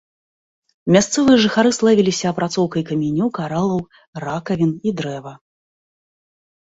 Мясцовыя жыхары славіліся апрацоўкай каменю, каралаў, ракавін і дрэва.